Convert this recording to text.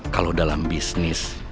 kalau dalam bisnis